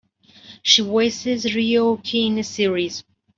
She voices Ryo-ohki in the series.